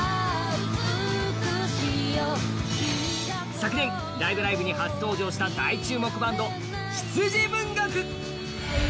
昨年、「ライブ！ライブ！」に初登場した大注目バンド、羊文学。